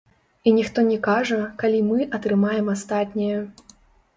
І ніхто не кажа, калі мы атрымаем астатняе.